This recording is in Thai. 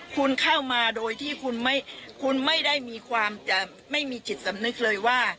คุณเข้ามาโดยที่คุณไม่ได้มีความจะไม่มีจิตสำนึกเลยว่า